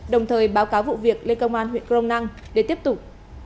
đồng thời báo cáo vụ việc lên công an huyện crong năng để tiếp tục